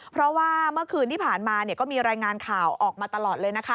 เพราะว่าเมื่อคืนที่ผ่านมาก็มีรายงานข่าวออกมาตลอดเลยนะคะ